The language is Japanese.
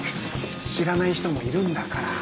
知らない人もいるんだから。